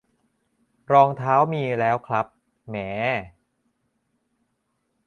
รองเท้ามีแล้วครับ แหม่